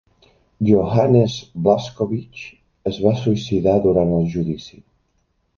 Johannes Blaskowitz es va suïcidar durant el judici.